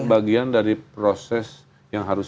bagian dari proses yang harus